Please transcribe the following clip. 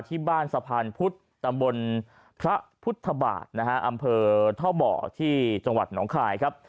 ที่บ้านสะพานพุทธตำบลพระพุทธบาทอำเภอเท่าบ่อที่จังหวัดน้องคลาย